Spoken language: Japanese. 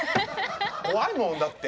怖いもんだって。